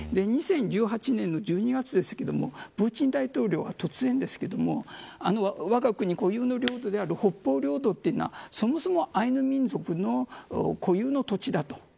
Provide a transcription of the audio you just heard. ２０１８年の１２月でしたがプーチン大統領は突然ですがわが国固有の領土である北方領土というのはそもそもアイヌ民族の固有の土地だと。